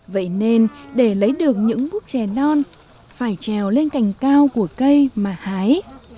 vậy nên để lấy được những bút chè non phải trèo lên cành cao của cây mà hái